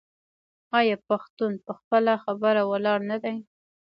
آیا پښتون په خپله خبره ولاړ نه دی؟